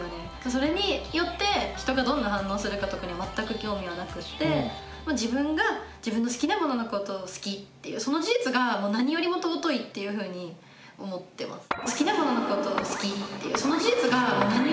それによって人がどんな反応するかとかに全く興味はなくって自分が自分の好きなもののことを好きっていうその事実が何よりも尊いっていうふうに思ってます。